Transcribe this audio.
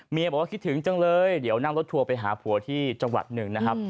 บอกว่าคิดถึงจังเลยเดี๋ยวนั่งรถทัวร์ไปหาผัวที่จังหวัดหนึ่งนะครับ